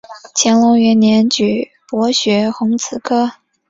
乾隆元年举博学鸿词科。